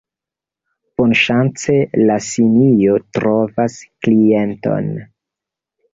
Bonŝance, la simio trovas klienton.